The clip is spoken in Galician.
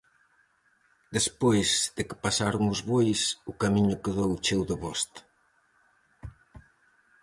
Despois de que pasaron os bois, o camiño quedou cheo de bosta.